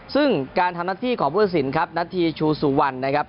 ซึ่งการทำหน้าที่ของผู้สินครับหน้าที่ชูซูวันนะครับ